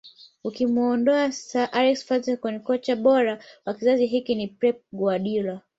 Ukimuondoa Sir Alex Ferguson kocha bora wa kizazi hiki ni Pep Guardiola